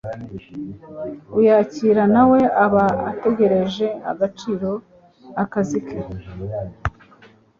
Uyakira nawe aba atesheje agaciro akazi ke